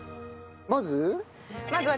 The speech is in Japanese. まず。